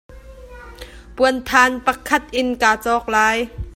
Puanthan pakhat in ka cawk lai.